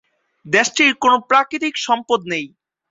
দেশটির কোন প্রাকৃতিক সম্পদ নেই।